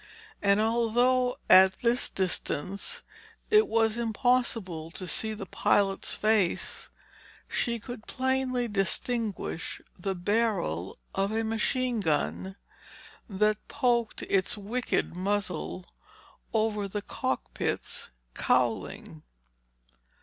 And although at this distance it was impossible to see the pilot's face, she could plainly distinguish the barrel of a machine gun that poked its wicked muzzle over the cockpit's cowling.